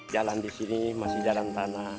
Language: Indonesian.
jalan di sini masih dalam tanah